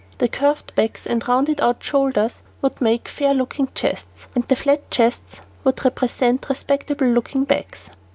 The curved backs and rounded out shoulders would make fair looking chests, and the flat chests would represent respectable looking backs.